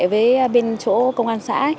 với bên chỗ công an xã